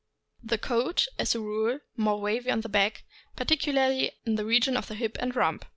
The coat is, as a rule, more wavy on the back, particu larly in the region of the hip and rump.